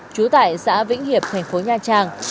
trú tại xã vĩnh hiệp thành phố nha trang